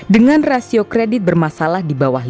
dengan rasio kredit bermasalah di bawah